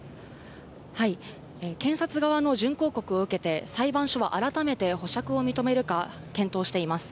検察側の準抗告を受けて、裁判所は改めて保釈を認めるか検討しています。